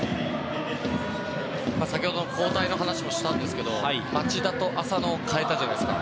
先ほど交代の話もしたんですが町田と浅野を代えたじゃないですか。